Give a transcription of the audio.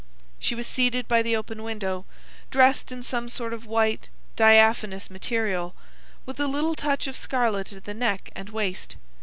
She was seated by the open window, dressed in some sort of white diaphanous material, with a little touch of scarlet at the neck and waist.